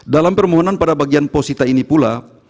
dalam permohonan pada bagian posita ini pula